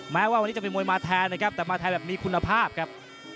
แม้ว่าวันนี้จะเป็นมวยมาแทนนะครับแต่มาแทนแบบมีคุณภาพครับ